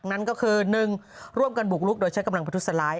นั่นก็คือ๑ร่วมกันบุกลุกโดยใช้กำลังประทุษร้าย